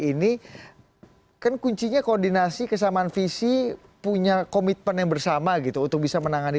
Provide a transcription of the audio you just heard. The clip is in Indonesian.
ini kan kuncinya koordinasi kesamaan visi punya komitmen yang bersama gitu untuk bisa menangani